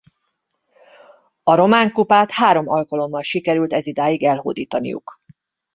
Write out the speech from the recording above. A román kupát három alkalommal sikerült ezidáig elhódítaniuk.